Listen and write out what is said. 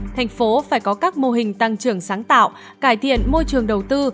thành phố phải có các mô hình tăng trưởng sáng tạo cải thiện môi trường đầu tư